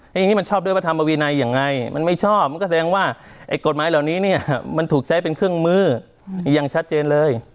อย่างนี้มันชอบด้วยพระธรรมวินัยยังไงมันไม่ชอบมันก็แสดงว่าไอ้กฎหมายเหล่านี้เนี่ยมันถูกใช้เป็นเครื่องมืออย่างชัดเจนเลย